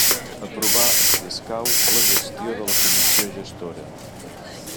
Aprovar, si escau, la gestió de la Comissió Gestora.